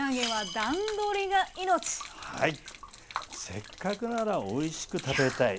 せっかくならおいしく食べたい。